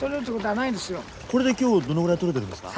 これで今日どのぐらい取れてるんですか？